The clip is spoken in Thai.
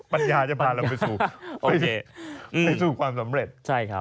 ปัญญาจะพาเราไปสู่ความสำเร็จ